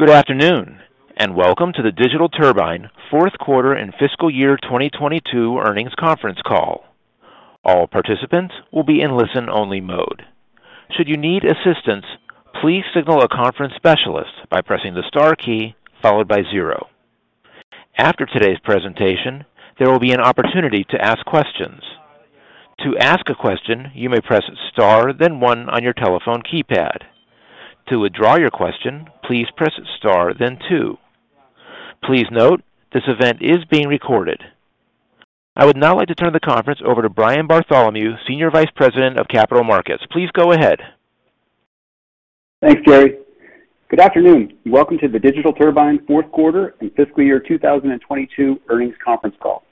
Good afternoon, and welcome to the Digital Turbine Q4 and fiscal year 2022 earnings conference call. All participants will be in listen-only mode. Should you need assistance, please signal a conference specialist by pressing the star key followed by zero. After today's presentation, there will be an opportunity to ask questions. To ask a question, you may press star then one on your telephone keypad. To withdraw your question, please press star then two. Please note, this event is being recorded. I would now like to turn the conference over to Brian Bartholomew, Senior Vice President of Capital Markets. Please go ahead. Thanks, Gary. Good afternoon. Welcome to the Digital Turbine Q4 and fiscal year 2022 earnings conference call.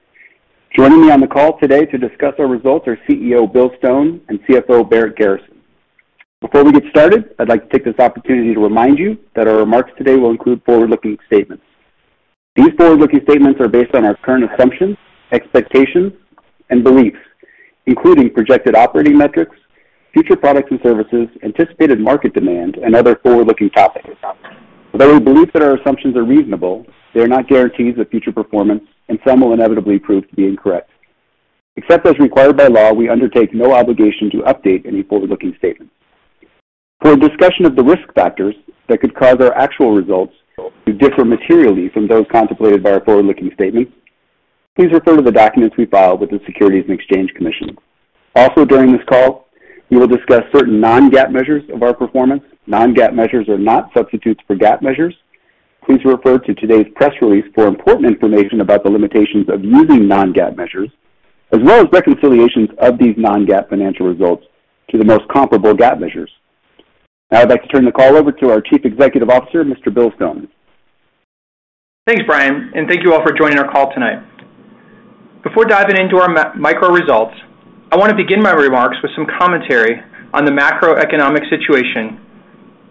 Joining me on the call today to discuss our results are CEO Bill Stone and CFO Barrett Garrison. Before we get started, I'd like to take this opportunity to remind you that our remarks today will include forward-looking statements. These forward-looking statements are based on our current assumptions, expectations, and beliefs, including projected operating metrics, future products and services, anticipated market demand, and other forward-looking topics. Although we believe that our assumptions are reasonable, they are not guarantees of future performance, and some will inevitably prove to be incorrect. Except as required by law, we undertake no obligation to update any forward-looking statement. For a discussion of the risk factors that could cause our actual results to differ materially from those contemplated by our forward-looking statements, please refer to the documents we filed with the Securities and Exchange Commission. Also, during this call, we will discuss certain non-GAAP measures of our performance. Non-GAAP measures are not substitutes for GAAP measures. Please refer to today's press release for important information about the limitations of using non-GAAP measures, as well as reconciliations of these non-GAAP financial results to the most comparable GAAP measures. Now I'd like to turn the call over to our Chief Executive Officer, Mr. Bill Stone. Thanks, Brian, and thank you all for joining our call tonight. Before diving into our macro results, I want to begin my remarks with some commentary on the macroeconomic situation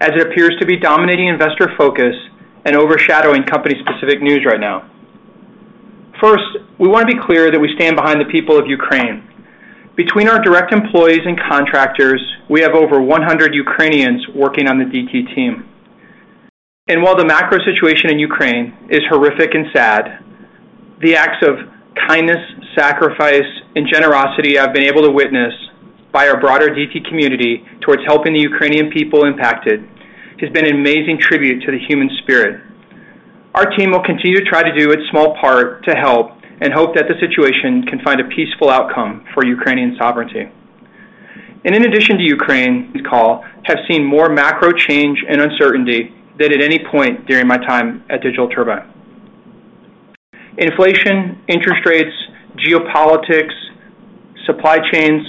as it appears to be dominating investor focus and overshadowing company-specific news right now. First, we want to be clear that we stand behind the people of Ukraine. Between our direct employees and contractors, we have over 100 Ukrainians working on the DT team. While the macro situation in Ukraine is horrific and sad, the acts of kindness, sacrifice, and generosity I've been able to witness by our broader DT community towards helping the Ukrainian people impacted has been an amazing tribute to the human spirit. Our team will continue to try to do its small part to help and hope that the situation can find a peaceful outcome for Ukrainian sovereignty. In addition to Ukraine, this call has seen more macro change and uncertainty than at any point during my time at Digital Turbine. Inflation, interest rates, geopolitics, supply chains,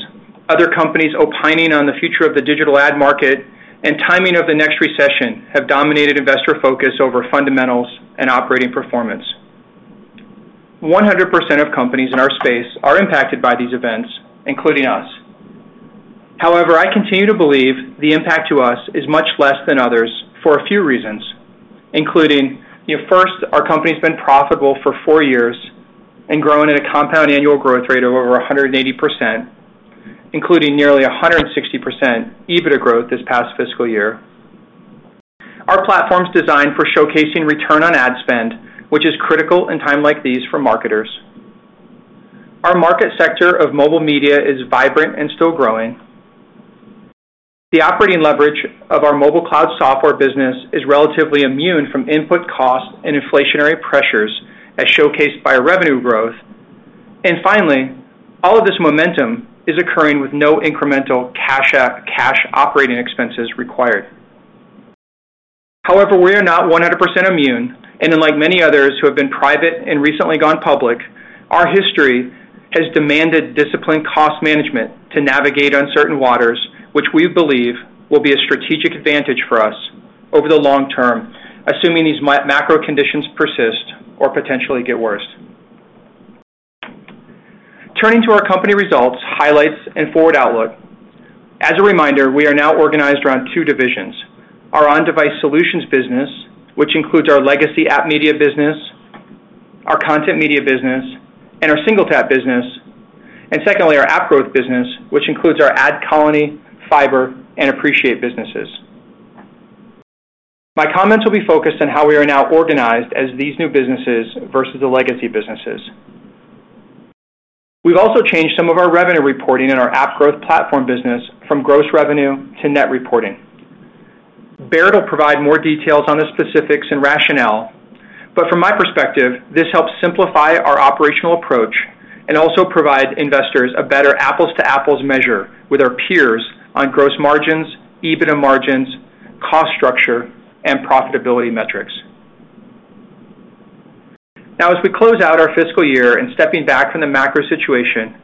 other companies opining on the future of the digital ad market, and timing of the next recession have dominated investor focus over fundamentals and operating performance. 100% of companies in our space are impacted by these events, including us. However, I continue to believe the impact to us is much less than others for a few reasons, including, you know, first, our company's been profitable for four years and growing at a compound annual growth rate of over 180%, including nearly 160% EBITDA growth this past fiscal year. Our platform's designed for showcasing return on ad spend, which is critical in time like these for marketers. Our market sector of mobile media is vibrant and still growing. The operating leverage of our mobile cloud software business is relatively immune from input costs and inflationary pressures as showcased by our revenue growth. Finally, all of this momentum is occurring with no incremental cash OpEx required. However, we are not 100% immune, and unlike many others who have been private and recently gone public, our history has demanded disciplined cost management to navigate uncertain waters, which we believe will be a strategic advantage for us over the long term, assuming these macro conditions persist or potentially get worse. Turning to our company results, highlights, and forward outlook. As a reminder, we are now organized around two divisions. Our on-device solutions business, which includes our legacy app media business, our content media business, and our single tap business. Secondly, our app growth business, which includes our AdColony, Fyber, and Appreciate businesses. My comments will be focused on how we are now organized as these new businesses versus the legacy businesses. We've also changed some of our revenue reporting in our app growth platform business from gross revenue to net reporting. Barrett will provide more details on the specifics and rationale, but from my perspective, this helps simplify our operational approach and also provide investors a better apples to apples measure with our peers on gross margins, EBITDA margins, cost structure, and profitability metrics. Now as we close out our fiscal year and stepping back from the macro situation,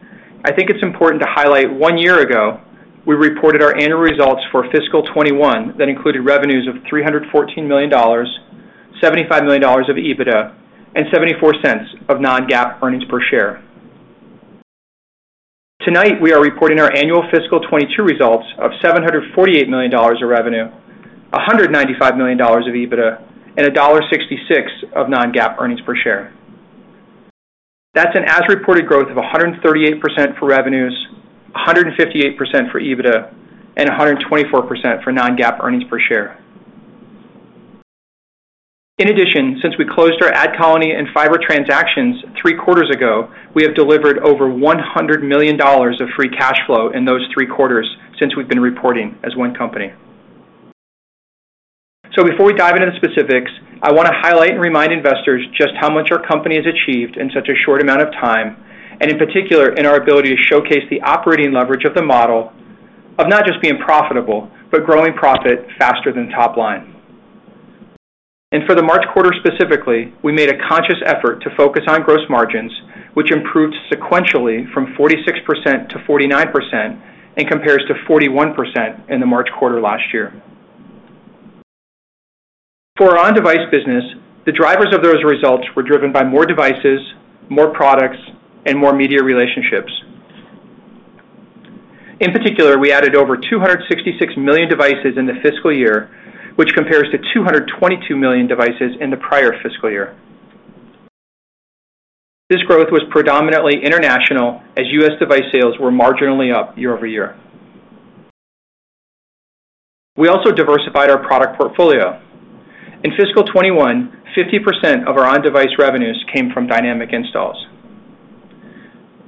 I think it's important to highlight one year ago, we reported our annual results for fiscal 2021 that included revenues of $314 million, $75 million of EBITDA, and $0.74 non-GAAP earnings per share. Tonight, we are reporting our annual fiscal 2022 results of $748 million of revenue, $195 million of EBITDA, and $1.66 of non-GAAP earnings per share. That's an as-reported growth of 138% for revenues, 158% for EBITDA, and 124% for non-GAAP earnings per share. In addition, since we closed our AdColony and Fyber transactions three quarters ago, we have delivered over $100 million of free cash flow in those three quarters since we've been reporting as one company. Before we dive into the specifics, I wanna highlight and remind investors just how much our company has achieved in such a short amount of time, and in particular, in our ability to showcase the operating leverage of the model of not just being profitable, but growing profit faster than top line. For the March quarter specifically, we made a conscious effort to focus on gross margins, which improved sequentially from 46%-49% and compares to 41% in the March quarter last year. For our on-device business, the drivers of those results were driven by more devices, more products, and more media relationships. In particular, we added over 266 million devices in the fiscal year, which compares to 222 million devices in the prior fiscal year. This growth was predominantly international as U.S. device sales were marginally up year-over-year. We also diversified our product portfolio. In fiscal 2021, 50% of our on-device revenues came from dynamic installs.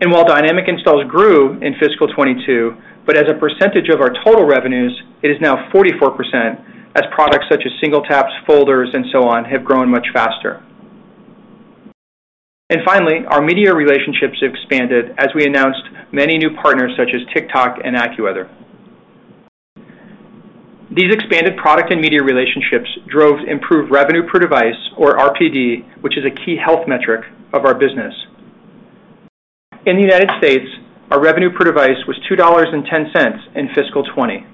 While dynamic installs grew in fiscal 2022, but as a percentage of our total revenues, it is now 44% as products such as SingleTap, folders, and so on have grown much faster. Finally, our media relationships expanded as we announced many new partners such as TikTok and AccuWeather. These expanded product and media relationships drove improved revenue per device or RPD, which is a key health metric of our business. In the United States, our revenue per device was $2.10 in fiscal 2020,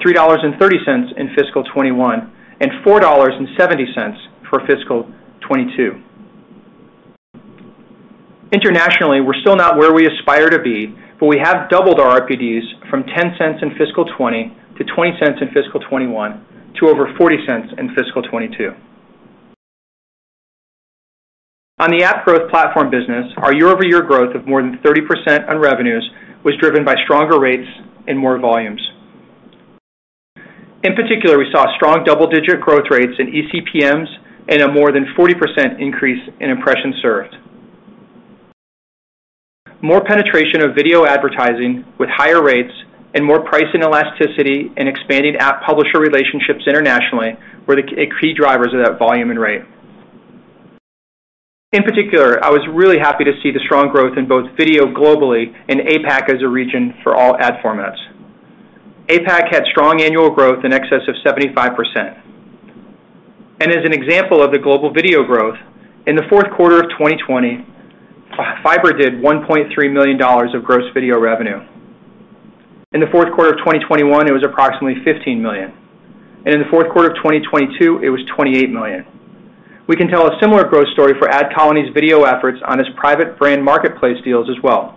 $3.30 in fiscal 2021, and $4.70 for fiscal 2022. Internationally, we're still not where we aspire to be, but we have doubled our RPDs from $0.10 in fiscal 2020 to $0.20 in fiscal 2021 to over $0.40 in fiscal 2022. On the app growth platform business, our year-over-year growth of more than 30% on revenues was driven by stronger rates and more volumes. In particular, we saw strong double-digit growth rates in eCPMs and a more than 40% increase in impressions served. More penetration of video advertising with higher rates and more pricing elasticity and expanding app publisher relationships internationally were the key drivers of that volume and rate. In particular, I was really happy to see the strong growth in both video globally and APAC as a region for all ad formats. APAC had strong annual growth in excess of 75%. As an example of the global video growth, in the Q4 of 2020, Fyber did $1.3 million of gross video revenue. In the Q4 of 2021, it was approximately $15 million. In the Q4 of 2022, it was $28 million. We can tell a similar growth story for AdColony's video efforts on its private brand marketplace deals as well.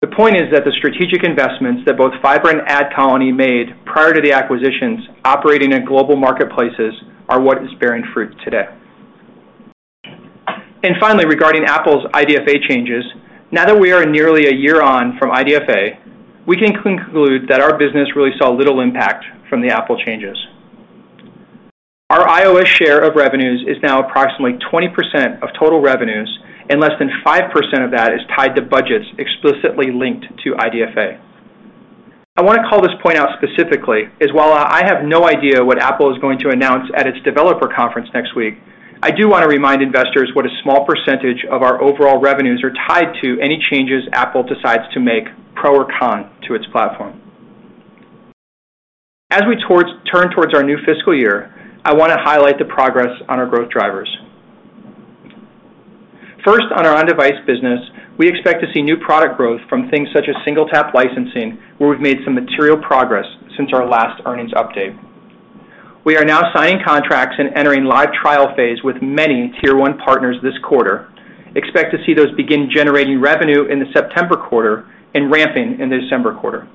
The point is that the strategic investments that both Fyber and AdColony made prior to the acquisitions operating in global marketplaces are what is bearing fruit today. Finally, regarding Apple's IDFA changes, now that we are nearly a year on from IDFA, we can conclude that our business really saw little impact from the Apple changes. Our iOS share of revenues is now approximately 20% of total revenues, and less than 5% of that is tied to budgets explicitly linked to IDFA. I wanna call this point out specifically. That is, while I have no idea what Apple is going to announce at its developer conference next week, I do wanna remind investors what a small percentage of our overall revenues are tied to any changes Apple decides to make pro or con to its platform. As we turn towards our new fiscal year, I wanna highlight the progress on our growth drivers. First, on our on-device business, we expect to see new product growth from things such as single-tap licensing, where we've made some material progress since our last earnings update. We are now signing contracts and entering live trial phase with many tier one partners this quarter. Expect to see those begin generating revenue in the September quarter and ramping in the December quarter.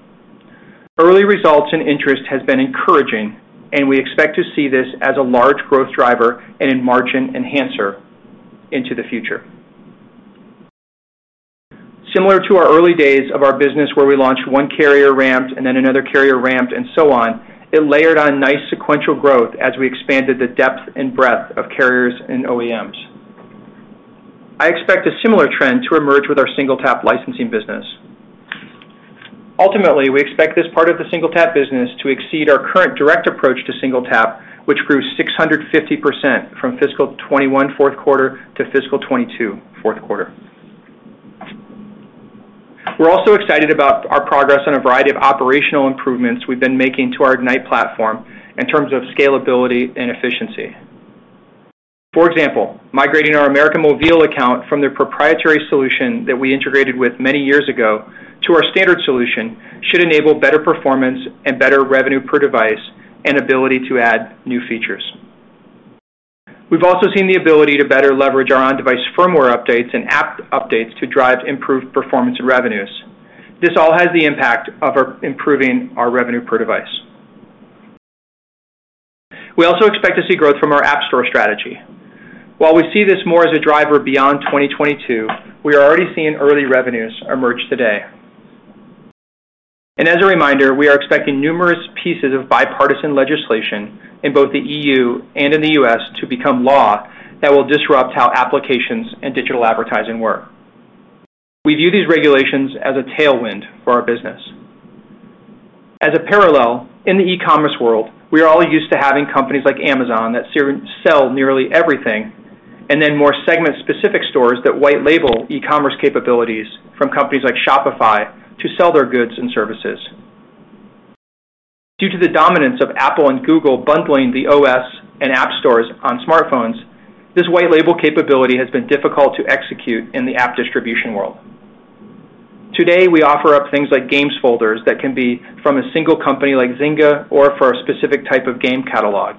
Early results and interest has been encouraging, and we expect to see this as a large growth driver and in margin enhancer into the future. Similar to our early days of our business where we launched one carrier ramp and then another carrier ramp and so on, it layered on nice sequential growth as we expanded the depth and breadth of carriers and OEMs. I expect a similar trend to emerge with our SingleTap licensing business. Ultimately, we expect this part of the SingleTap business to exceed our current direct approach to SingleTap, which grew 650% from fiscal 2021 Q4 to fiscal 2022 Q4. We're also excited about our progress on a variety of operational improvements we've been making to our Ignite platform in terms of scalability and efficiency. For example, migrating our América Móvil account from their proprietary solution that we integrated with many years ago to our standard solution should enable better performance and better revenue per device and ability to add new features. We've also seen the ability to better leverage our on-device firmware updates and app updates to drive improved performance and revenues. This all has the impact of our improving our revenue per device. We also expect to see growth from our App Store strategy. While we see this more as a driver beyond 2022, we are already seeing early revenues emerge today. As a reminder, we are expecting numerous pieces of bipartisan legislation in both the E.U. and in the U.S. to become law that will disrupt how applications and digital advertising work. We view these regulations as a tailwind for our business. As a parallel, in the e-commerce world, we are all used to having companies like Amazon that sell nearly everything, and then more segment-specific stores that white label e-commerce capabilities from companies like Shopify to sell their goods and services. Due to the dominance of Apple and Google bundling the OS and App Stores on smartphones, this white label capability has been difficult to execute in the app distribution world. Today, we offer up things like games folders that can be from a single company like Zynga or for a specific type of game catalog.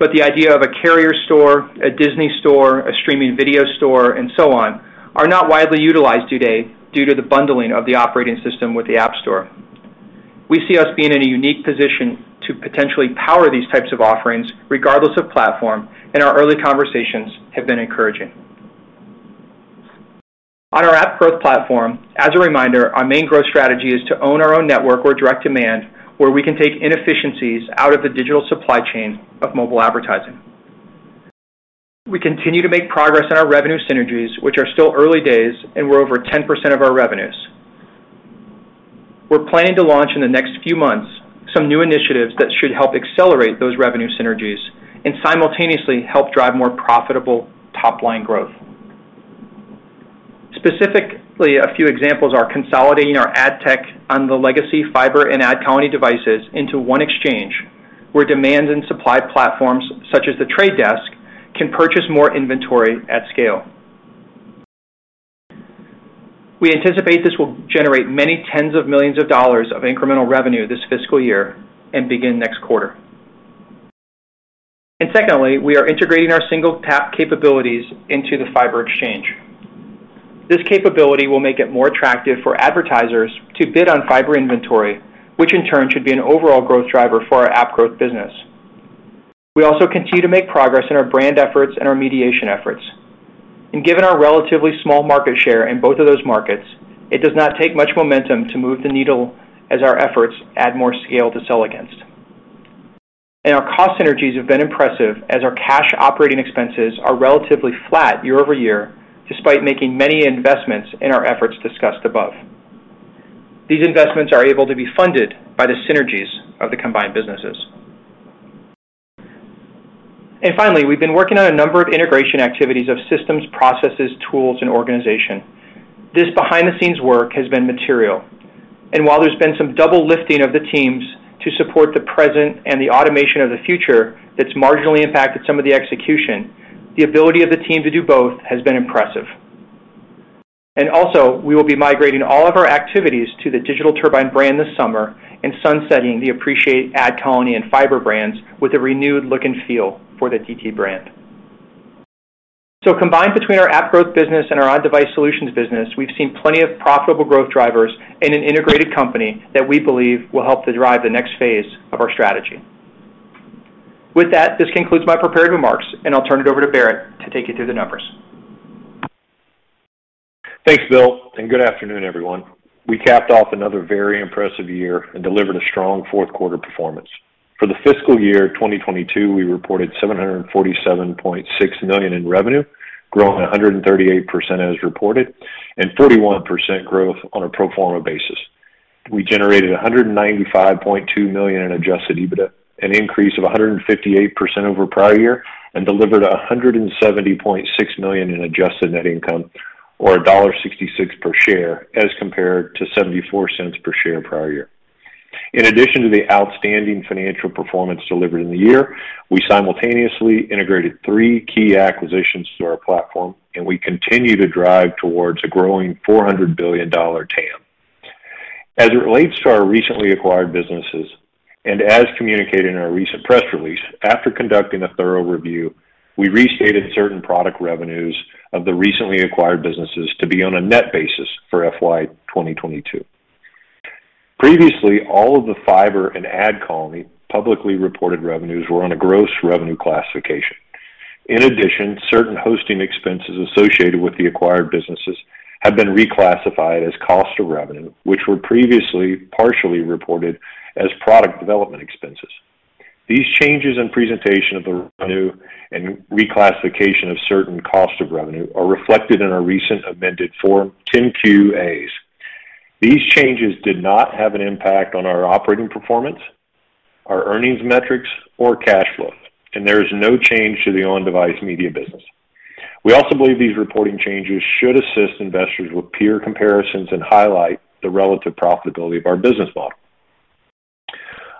The idea of a carrier store, a Disney store, a streaming video store, and so on are not widely utilized today due to the bundling of the operating system with the App Store. We see us being in a unique position to potentially power these types of offerings regardless of platform, and our early conversations have been encouraging. On our app growth platform, as a reminder, our main growth strategy is to own our own network or direct demand, where we can take inefficiencies out of the digital supply chain of mobile advertising. We continue to make progress in our revenue synergies, which are still early days and were over 10% of our revenues. We're planning to launch in the next few months some new initiatives that should help accelerate those revenue synergies and simultaneously help drive more profitable top-line growth. Specifically, a few examples are consolidating our ad tech on the legacy Fyber and AdColony devices into one exchange, where demand and supply platforms such as The Trade Desk can purchase more inventory at scale. We anticipate this will generate many tens of millions of dollars of incremental revenue this fiscal year and begin next quarter. Secondly, we are integrating our single tap capabilities into the Fyber exchange. This capability will make it more attractive for advertisers to bid on Fyber inventory, which in turn should be an overall growth driver for our app growth business. We also continue to make progress in our brand efforts and our mediation efforts. Given our relatively small market share in both of those markets, it does not take much momentum to move the needle as our efforts add more scale to sell against. Our cost synergies have been impressive as our cash operating expenses are relatively flat year-over-year, despite making many investments in our efforts discussed above. These investments are able to be funded by the synergies of the combined businesses. Finally, we've been working on a number of integration activities of systems, processes, tools, and organization. This behind-the-scenes work has been material. While there's been some double lifting of the teams to support the present and the automation of the future that's marginally impacted some of the execution, the ability of the team to do both has been impressive. Also, we will be migrating all of our activities to the Digital Turbine brand this summer and sunsetting the Appreciate, AdColony, and Fyber brands with a renewed look and feel for the DT brand. Combined between our app growth business and our on-device solutions business, we've seen plenty of profitable growth drivers in an integrated company that we believe will help to drive the next phase of our strategy. With that, this concludes my prepared remarks, and I'll turn it over to Barrett to take you through the numbers. Thanks, Bill, and good afternoon, everyone. We capped off another very impressive year and delivered a strong Q4 performance. For the fiscal year 2022, we reported $747.6 million in revenue, growing 138% as reported, and 31% growth on a pro forma basis. We generated $195.2 million in adjusted EBITDA, an increase of 158% over prior year, and delivered $170.6 million in adjusted net income, or $1.66 per share as compared to $0.74 per share prior year. In addition to the outstanding financial performance delivered in the year, we simultaneously integrated three key acquisitions to our platform, and we continue to drive towards a growing $400 billion TAM. As it relates to our recently acquired businesses, and as communicated in our recent press release, after conducting a thorough review, we restated certain product revenues of the recently acquired businesses to be on a net basis for FY 2022. Previously, all of the Fyber and AdColony publicly reported revenues were on a gross revenue classification. In addition, certain hosting expenses associated with the acquired businesses have been reclassified as cost of revenue, which were previously partially reported as product development expenses. These changes in presentation of the revenue and reclassification of certain cost of revenue are reflected in our recent amended Form 10-Q/As. These changes did not have an impact on our operating performance, our earnings metrics or cash flow, and there is no change to the on-device media business. We also believe these reporting changes should assist investors with peer comparisons and highlight the relative profitability of our business model.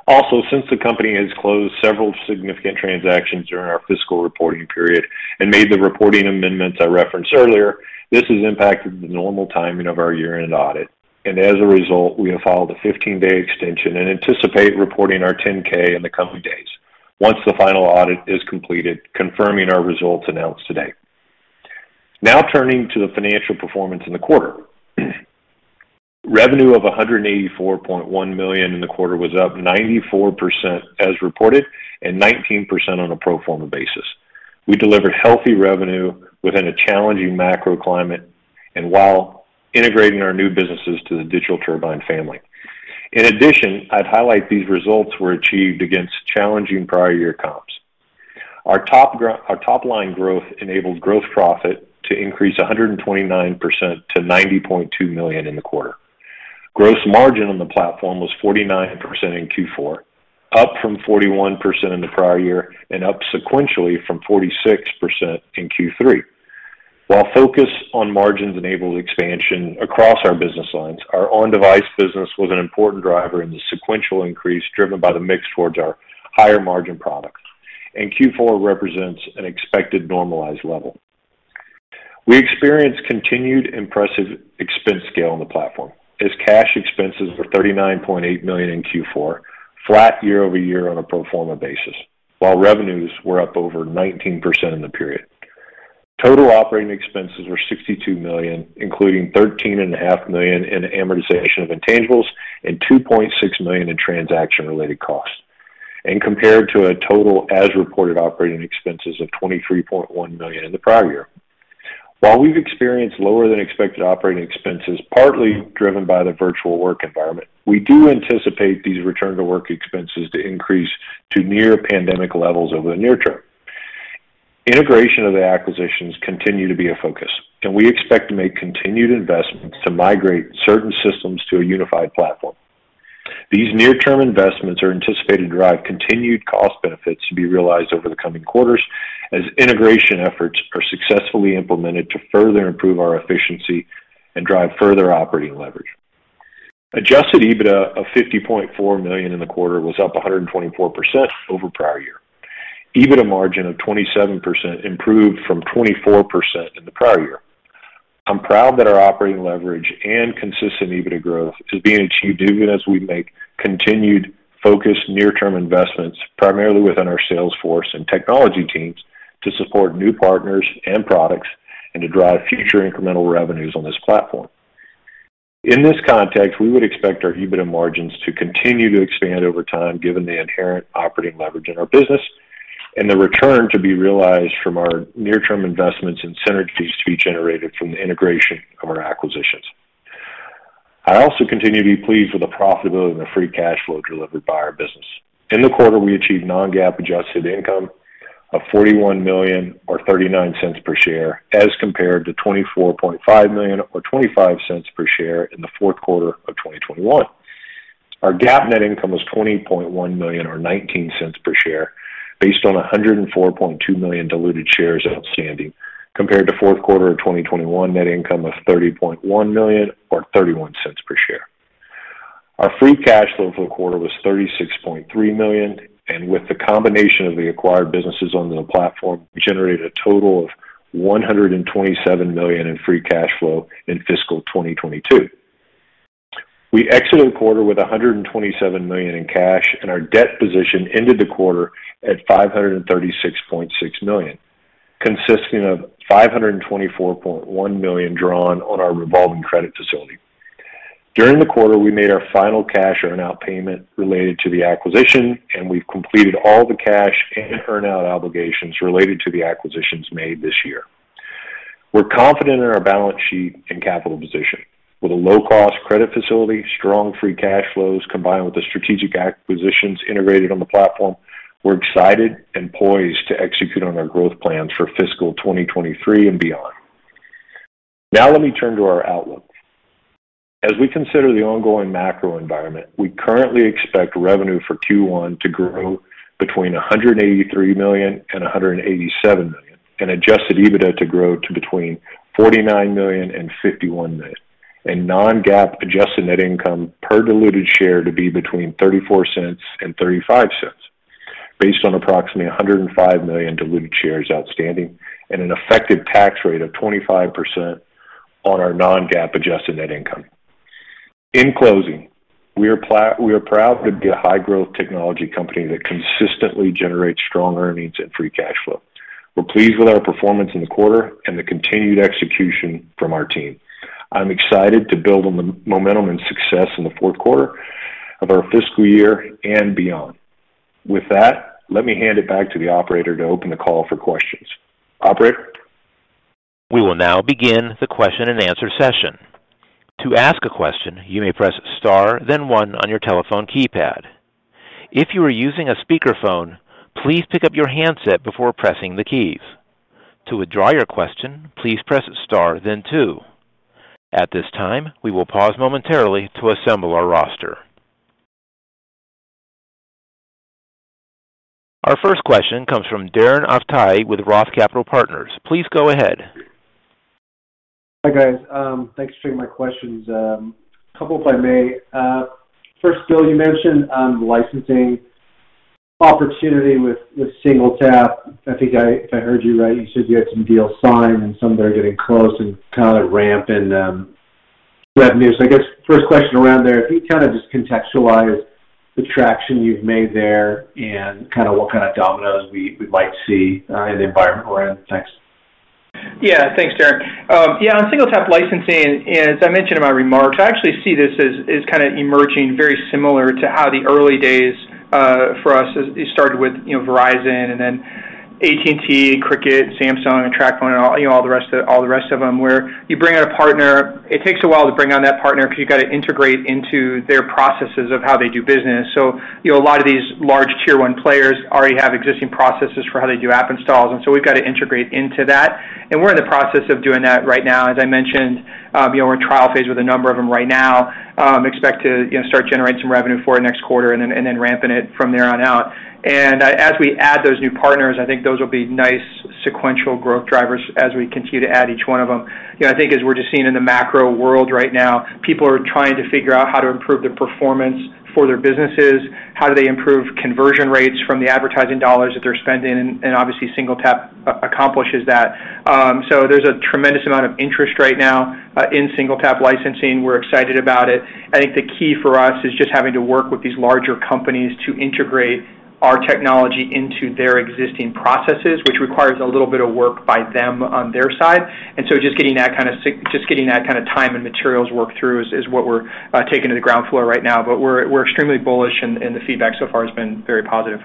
Also, since the company has closed several significant transactions during our fiscal reporting period and made the reporting amendments I referenced earlier, this has impacted the normal timing of our year-end audit. As a result, we have filed a 15-day extension and anticipate reporting our 10-K in the coming days once the final audit is completed, confirming our results announced today. Now turning to the financial performance in the quarter. Revenue of $184.1 million in the quarter was up 94% as reported, and 19% on a pro forma basis. We delivered healthy revenue within a challenging macro climate and while integrating our new businesses to the Digital Turbine family. In addition, I'd highlight these results were achieved against challenging prior year comps. Our top line growth enabled gross profit to increase 129% to $90.2 million in the quarter. Gross margin on the platform was 49% in Q4, up from 41% in the prior year and up sequentially from 46% in Q3. While focus on margins enabled expansion across our business lines, our on-device business was an important driver in the sequential increase, driven by the mix towards our higher margin products, and Q4 represents an expected normalized level. We experienced continued impressive expense scale on the platform as cash expenses were $39.8 million in Q4, flat year-over-year on a pro forma basis, while revenues were up over 19% in the period. Total operating expenses were $62 million, including $13.5 million in amortization of intangibles and $2.6 million in transaction-related costs, and compared to a total as-reported operating expenses of $23.1 million in the prior year. While we've experienced lower than expected operating expenses, partly driven by the virtual work environment, we do anticipate these return to work expenses to increase to near pandemic levels over the near term. Integration of the acquisitions continue to be a focus, and we expect to make continued investments to migrate certain systems to a unified platform. These near-term investments are anticipated to drive continued cost benefits to be realized over the coming quarters as integration efforts are successfully implemented to further improve our efficiency and drive further operating leverage. Adjusted EBITDA of $50.4 million in the quarter was up 124% over prior year. EBITDA margin of 27% improved from 24% in the prior year. I'm proud that our operating leverage and consistent EBITDA growth is being achieved even as we make continued focused near-term investments, primarily within our sales force and technology teams, to support new partners and products and to drive future incremental revenues on this platform. In this context, we would expect our EBITDA margins to continue to expand over time, given the inherent operating leverage in our business and the return to be realized from our near-term investments and synergies to be generated from the integration of our acquisitions. I also continue to be pleased with the profitability and the free cash flow delivered by our business. In the quarter, we achieved non-GAAP adjusted income of $41 million or $0.39 per share as compared to $24.5 million or $0.25 per share in the Q4 of 2021. Our GAAP net income was $20.1 million or $0.19 per share based on 104.2 million diluted shares outstanding, compared to Q4 of 2021 net income of $30.1 million or $0.31 per share. Our free cash flow for the quarter was $36.3 million, and with the combination of the acquired businesses on the platform, we generated a total of $127 million in free cash flow in fiscal 2022. We exited the quarter with $127 million in cash, and our debt position ended the quarter at $536.6 million, consisting of $524.1 million drawn on our revolving credit facility. During the quarter, we made our final cash earnout payment related to the acquisition, and we've completed all the cash and earnout obligations related to the acquisitions made this year. We're confident in our balance sheet and capital position. With a low-cost credit facility, strong free cash flows, combined with the strategic acquisitions integrated on the platform, we're excited and poised to execute on our growth plans for fiscal 2023 and beyond. Now let me turn to our outlook. As we consider the ongoing macro environment, we currently expect revenue for Q1 to grow between $183 million and $187 million, and adjusted EBITDA to grow to between $49 million and $51 million, and non-GAAP adjusted net income per diluted share to be between $0.34 and $0.35 based on approximately 105 million diluted shares outstanding and an effective tax rate of 25% on our non-GAAP adjusted net income. In closing, we are proud to be a high-growth technology company that consistently generates strong earnings and free cash flow. We're pleased with our performance in the quarter and the continued execution from our team. I'm excited to build on the momentum and success in the Q4 of our fiscal year and beyond. With that, let me hand it back to the operator to open the call for questions. Operator? We will now begin the question and answer session. To ask a question, you may press star, then 1 on your telephone keypad. If you are using a speakerphone, please pick up your handset before pressing the keys. To withdraw your question, please press star then two. At this time, we will pause momentarily to assemble our roster. Our first question comes from Darren Aftahi with ROTH Capital Partners. Please go ahead. Hi, guys. Thanks for taking my questions. A couple if I may. First, Bill, you mentioned the licensing opportunity with SingleTap. I think if I heard you right, you said you had some deals signed and some that are getting close and kind of ramping revenue. I guess first question around there, can you kind of just contextualize the traction you've made there and kind of what kind of dominoes we might see in the environment we're in? Thanks. Yeah. Thanks, Darren. Yeah, on SingleTap licensing, as I mentioned in my remarks, I actually see this as kind of emerging very similar to how the early days for us it started with, you know, Verizon and then AT&T, Cricket, Samsung, and TracFone and all, you know, all the rest of them, where you bring on a partner. It takes a while to bring on that partner because you got to integrate into their processes of how they do business. You know, a lot of these large tier one players already have existing processes for how they do app installs, and so we've got to integrate into that. We're in the process of doing that right now. As I mentioned, you know, we're in trial phase with a number of them right now, expect to, you know, start generating some revenue for next quarter and then ramping it from there on out. As we add those new partners, I think those will be nice sequential growth drivers as we continue to add each one of them. You know, I think as we're just seeing in the macro world right now, people are trying to figure out how to improve their performance for their businesses, how do they improve conversion rates from the advertising dollars that they're spending, and obviously, SingleTap accomplishes that. There's a tremendous amount of interest right now in SingleTap licensing. We're excited about it. I think the key for us is just having to work with these larger companies to integrate our technology into their existing processes, which requires a little bit of work by them on their side. Just getting that kind of time and materials work through is what we're taking to the ground floor right now. We're extremely bullish, and the feedback so far has been very positive.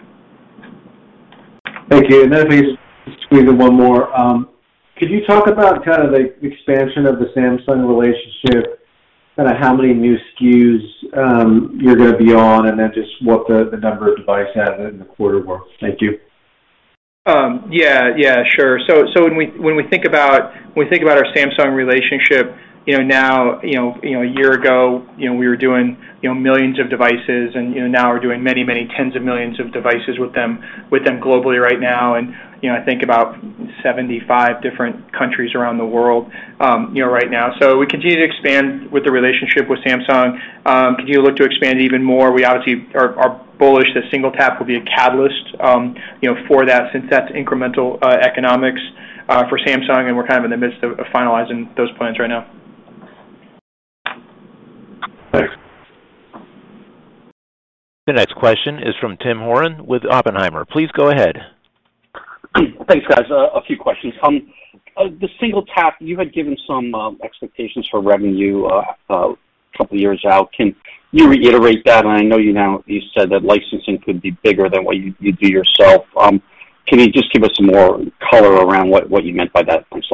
Thank you. Then if we just squeeze in one more. Could you talk about kind of the expansion of the Samsung relationship, kinda how many new SKUs, you're gonna be on, and then just what the number of device adds in the quarter were? Thank you. Yeah, sure. When we think about our Samsung relationship, you know, now, you know, a year ago, you know, we were doing, you know, millions of devices, and, you know, now we're doing many, many tens of millions of devices with them globally right now. You know, I think about 75 different countries around the world, you know, right now. We continue to expand with the relationship with Samsung. Continue to look to expand even more. We obviously are bullish that SingleTap will be a catalyst, you know, for that since that's incremental economics for Samsung, and we're kind of in the midst of finalizing those plans right now. Thanks. The next question is from Tim Horan with Oppenheimer. Please go ahead. Thanks, guys. A few questions. The SingleTap, you had given some expectations for revenue couple years out. Can you reiterate that? I know you know, you said that licensing could be bigger than what you do yourself. Can you just give us some more color around what you meant by that first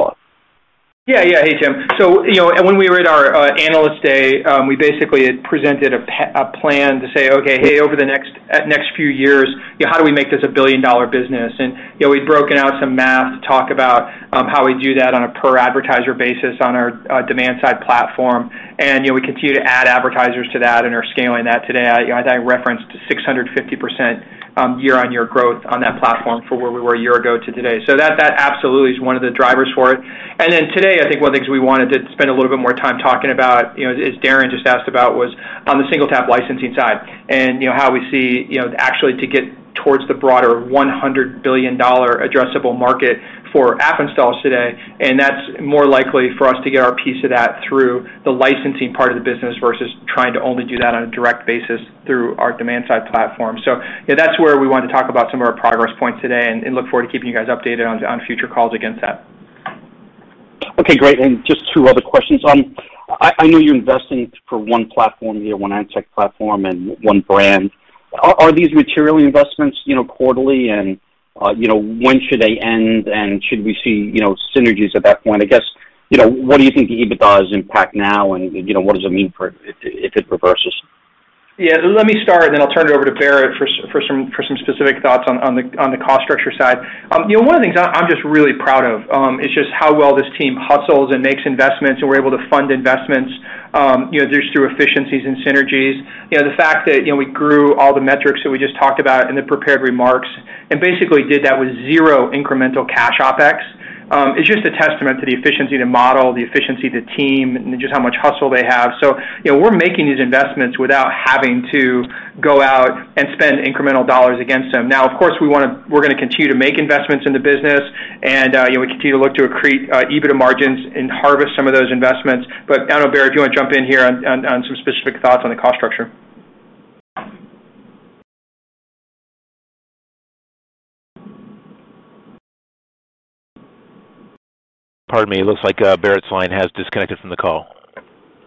slide? Yeah. Hey, Tim. You know, when we were at our analyst day, we basically had presented a plan to say, "Okay, hey, over the next few years, you know, how do we make this a billion-dollar business?" You know, we've broken out some math to talk about how we do that on a per advertiser basis on our demand side platform. You know, we continue to add advertisers to that and are scaling that today. You know, as I referenced 650% year-on-year growth on that platform from where we were a year ago to today. That absolutely is one of the drivers for it. Today, I think one of the things we wanted to spend a little bit more time talking about, you know, as Darren just asked about, was on the SingleTap licensing side and, you know, how we see, you know, actually to get towards the broader $100 billion addressable market for app installs today. That's more likely for us to get our piece of that through the licensing part of the business versus trying to only do that on a direct basis through our demand-side platform. You know, that's where we wanted to talk about some of our progress points today and look forward to keeping you guys updated on future calls against that. Okay, great. Just two other questions. I know you're investing for one platform, you know, one ad tech platform and one brand. Are these material investments, you know, quarterly? You know, when should they end, and should we see, you know, synergies at that point? I guess, you know, what do you think the EBITDA impact is now, and, you know, what does it mean for it if it reverses? Yeah. Let me start, and then I'll turn it over to Barrett for some specific thoughts on the cost structure side. You know, one of the things I'm just really proud of is just how well this team hustles and makes investments, and we're able to fund investments you know, just through efficiencies and synergies. You know, the fact that we grew all the metrics that we just talked about in the prepared remarks and basically did that with zero incremental cash OpEx is just a testament to the efficiency of the model, the efficiency of the team, and just how much hustle they have. You know, we're making these investments without having to go out and spend incremental dollars against them. Now, of course, we're gonna continue to make investments in the business and, you know, we continue to look to accrete EBITDA margins and harvest some of those investments. I don't know, Barrett, do you wanna jump in here on some specific thoughts on the cost structure? Pardon me. It looks like, Barrett's line has disconnected from the call.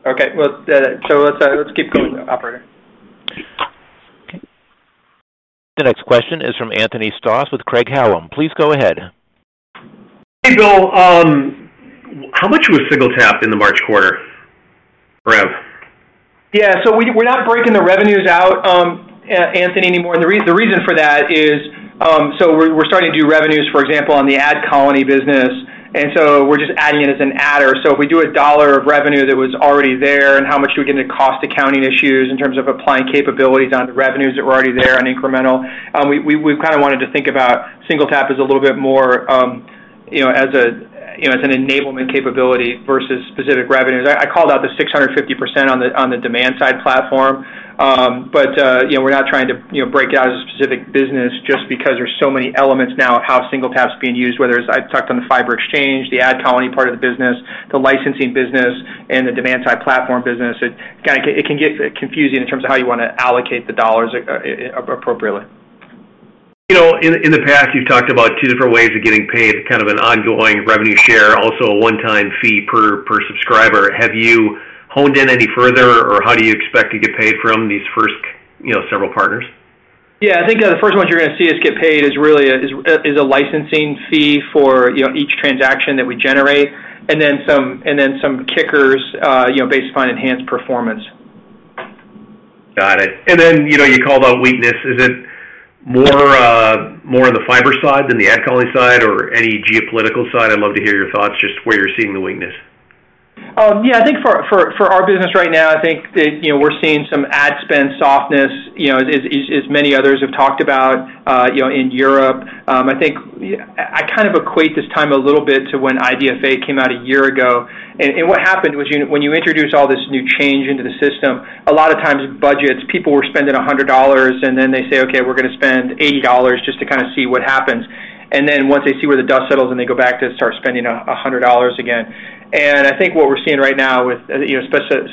Okay. Well, let's keep going, operator. Okay. The next question is from Anthony Stoss with Craig-Hallum. Please go ahead. Hey, Bill. How much was SingleTap in the March quarter rev? Yeah. We're not breaking the revenues out, Anthony, anymore. The reason for that is, we're starting to do revenues, for example, on the AdColony business, and we're just adding it as an adder. If we do $1 of revenue that was already there and how much do we get into cost accounting issues in terms of applying capabilities onto revenues that were already there on incremental, we've kind of wanted to think about SingleTap as a little bit more, you know, as an enablement capability versus specific revenues. I called out the 650% on the demand side platform. You know, we're not trying to, you know, break out a specific business just because there's so many elements now of how SingleTap's being used, whether it's I've talked about the Fyber Exchange, the AdColony part of the business, the licensing business, and the demand side platform business. It kinda can get confusing in terms of how you wanna allocate the dollars appropriately. You know, in the past, you've talked about two different ways of getting paid, kind of an ongoing revenue share, also a one-time fee per subscriber. Have you honed in any further or how do you expect to get paid from these first, you know, several partners? Yeah. I think the first ones you're gonna see us get paid is really a licensing fee for, you know, each transaction that we generate and then some kickers, you know, based upon enhanced performance. Got it. You know, you called out weakness. Is it more on the Fyber side than the AdColony side or any geopolitical side? I'd love to hear your thoughts just where you're seeing the weakness. Yeah. I think for our business right now, I think that, you know, we're seeing some ad spend softness, you know, as many others have talked about, you know, in Europe. I think I kind of equate this time a little bit to when IDFA came out a year ago. What happened was when you introduce all this new change into the system, a lot of times budgets, people were spending $100, and then they say, "Okay, we're gonna spend $80 just to kinda see what happens." Once they see where the dust settles, then they go back to start spending $100 again. I think what we're seeing right now with, you know,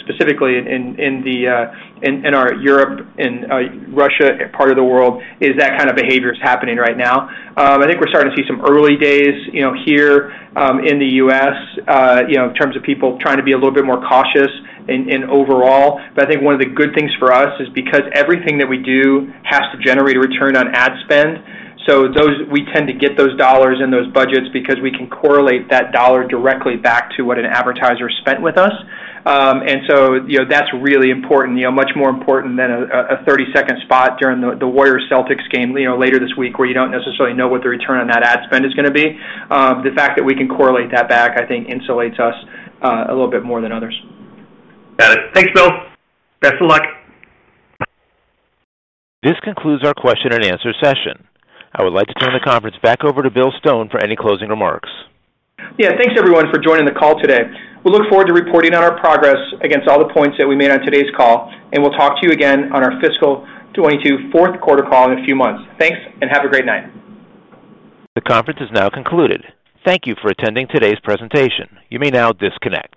specifically in our Europe and Russia part of the world is that kind of behavior is happening right now. I think we're starting to see some early days, you know, here in the U.S., you know, in terms of people trying to be a little bit more cautious in overall. I think one of the good things for us is because everything that we do has to generate a return on ad spend, so those we tend to get those dollars in those budgets because we can correlate that dollar directly back to what an advertiser spent with us. You know, that's really important. You know, much more important than a 30-second spot during the Warriors-Celtics game, you know, later this week where you don't necessarily know what the return on that ad spend is gonna be. The fact that we can correlate that back, I think insulates us, a little bit more than others. Got it. Thanks, Bill. Best of luck. This concludes our question and answer session. I would like to turn the conference back over to Bill Stone for any closing remarks. Yeah. Thanks everyone for joining the call today. We look forward to reporting on our progress against all the points that we made on today's call, and we'll talk to you again on our fiscal 2022 Q4 call in a few months. Thanks and have a great night. The conference is now concluded. Thank you for attending today's presentation. You may now disconnect.